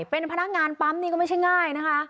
เป็นพนักงานปั๊มนี่ก็ไม่ใช่ง่ายนะคะ